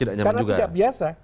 karena tidak biasa